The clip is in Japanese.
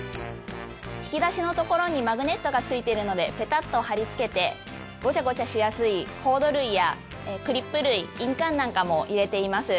引き出しのところにマグネットがついているのでペタッと貼りつけてごちゃごちゃしやすいコード類やクリップ類印鑑なんかも入れています。